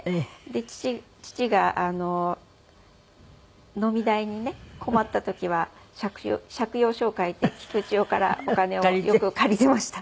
で父が飲み代にね困った時は借用書を書いて菊千代からお金をよく借りていました。